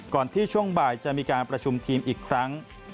ที่ช่วงบ่ายจะมีการประชุมทีมอีกครั้ง